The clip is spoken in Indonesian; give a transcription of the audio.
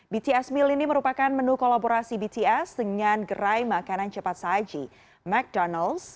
bts meal ini merupakan menu kolaborasi bts dengan gerai makanan cepat saji ⁇ mcdonalds